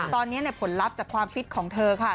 ตอนนี้ผลลัพธ์จากความฟิตของเธอค่ะ